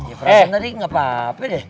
ya perasaan tadi gapapa deh